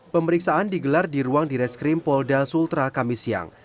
pemeriksaan digelar di ruang direskrim polda sultra kamis siang